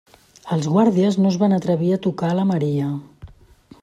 Els guàrdies no es van atrevir a tocar a Maria.